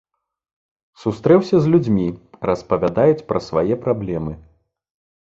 Сустрэўся з людзьмі, распавядаюць пра свае праблемы.